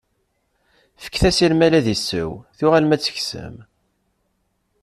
Fket-as i lmal ad isew, tuɣalem ad t-teksem.